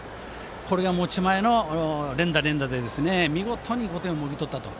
これが持ち前の連打、連打で見事に５点をもぎ取ったと。